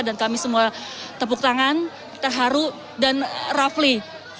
dan kami semua tepuk tangan terharu dan rafli